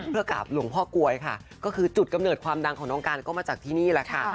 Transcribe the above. เพื่อกราบหลวงพ่อกลวยค่ะก็คือจุดกำเนิดความดังของน้องการก็มาจากที่นี่แหละค่ะ